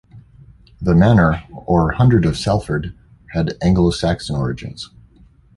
The Manor or Hundred of Salford had Anglo-Saxon origins.